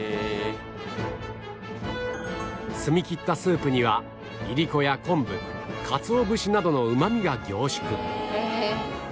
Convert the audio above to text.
澄みきったスープにはいりこや昆布カツオ節などのうまみが凝縮